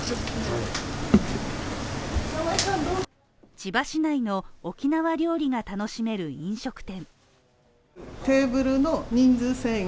千葉市内の沖縄料理が楽しめる飲食店。